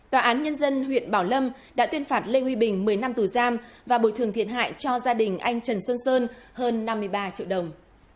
tòa án nhân dân huyện bảo lâm đã tuyên phạt lê huy bình một mươi năm tù giam và bồi thường thiệt hại cho gia đình anh trần xuân sơn hơn năm mươi ba triệu đồng